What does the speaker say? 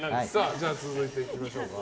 続いていきましょうか。